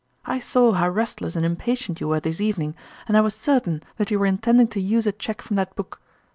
I saw how restless and impa tient you were this evening, and I was cer tain that you were intending to use a cheque from that book.